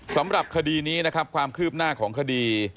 สำหรับคดีนี้นะครับความคืบหน้าของคดี